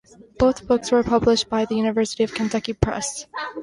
Both books were published by the University of Kentucky Press.